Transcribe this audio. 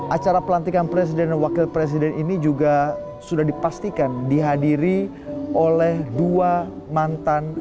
acara pelantikan presiden dan wakil presiden ini juga sudah dipastikan dihadiri oleh dua mantan